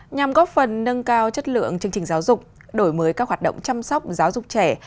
nhằm góp phần nâng cao chất lượng chương trình giáo dục đổi mới các hoạt động chăm sóc giáo dục trẻ